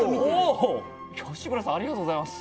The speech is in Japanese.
吉村さんありがとうございます。